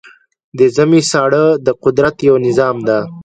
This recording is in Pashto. د ژمی ساړه د قدرت یو نظام دی.